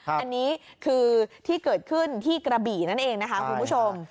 อันนี้คือที่เกิดขึ้นที่กระบี่นั่นเองนะคะคุณผู้ชม